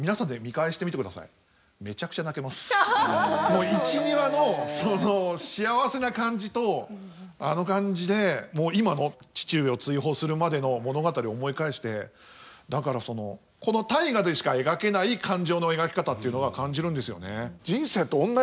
もう１２話の幸せな感じとあの感じで今の父上を追放するまでの物語を思い返してだからそのこの「大河」でしか描けない感情の描き方っていうのは感じるんですよね。